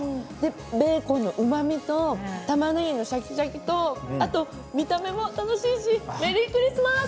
ベーコンのうまみとたまねぎのシャキシャキとあと見た目も楽しいしメリークリスマス！